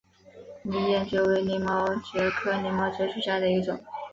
拟岩蕨为鳞毛蕨科鳞毛蕨属下的一个种。